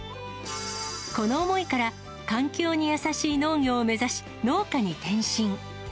この思いから、環境に優しい農業を目指し、農家に転身。